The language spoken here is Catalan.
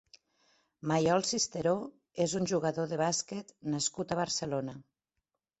Maiol Cisteró és un jugador de bàsquet nascut a Barcelona.